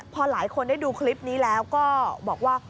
พอหลายคนได้ดูคลิปนี้แล้วก็บอกว่า